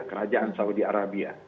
kerajaan saudi arabia